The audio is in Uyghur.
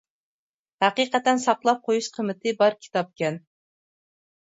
ھەقىقەتەن ساقلاپ قويۇش قىممىتى بار كىتابكەن.